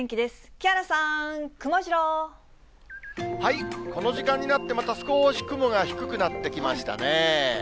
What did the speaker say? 木原さん、この時間になって、また少し雲が低くなってきましたね。